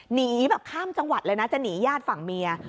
หนีแบบข้ามจังหวัดเลยนะจะหนีญาติฝั่งเมีย